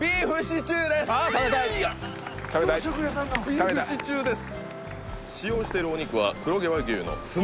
ビーフシチューです